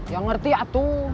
ya ngerti ya tuh